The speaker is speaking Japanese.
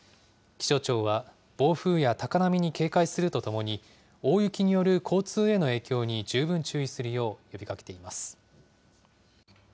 気象庁は暴風や高波に警戒するとともに、大雪による交通への影響に十分注意するよう呼びかけています。